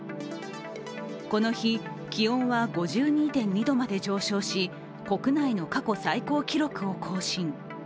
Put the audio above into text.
この日、気温は５２．２度まで上昇し国内の過去最高記録を更新。